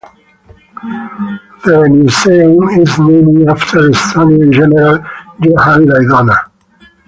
The museum is named after Estonian general Johan Laidoner.